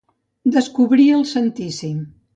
Descobrir el santíssim.